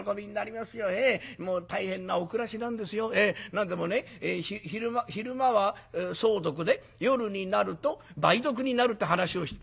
何でも昼間は瘡毒で夜になると梅毒になるって話を」。